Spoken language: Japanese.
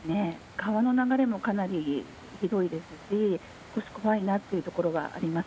川の流れもかなりひどいですし、少し怖いなっていうところはあります。